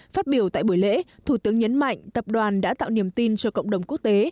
phát biểu tại buổi lễ thủ tướng nhấn mạnh tập đoàn đã tạo niềm tin cho cộng đồng quốc tế